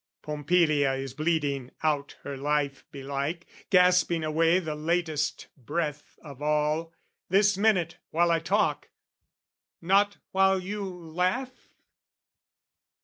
Pompilia is bleeding out her life belike, Gasping away the latest breath of all, This minute, while I talk not while you laugh?